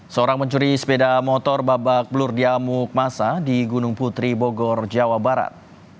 seorang pencuri sepeda motor babak belur di amuk masa di gunung putri bogor jawa barat